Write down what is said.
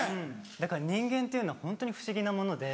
だから人間っていうのはホントに不思議なもので。